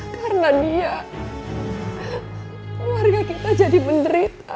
karena dia warga kita jadi menderita